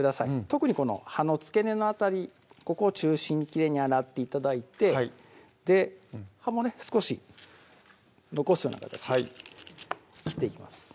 特にこの葉の付け根の辺りここを中心にきれいに洗って頂いて葉もね少し残すような形で切っていきます